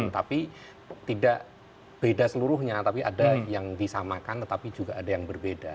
tapi tidak beda seluruhnya tapi ada yang disamakan tetapi juga ada yang berbeda